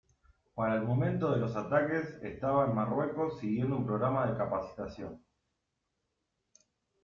Para el momento de los ataques, estaba en Marruecos siguiendo un programa de capacitación.